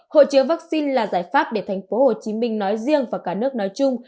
hộ chiếu vaccine là giải pháp để thành phố hồ chí minh nói riêng và cả nước nói chung